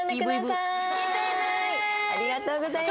ありがとうございます。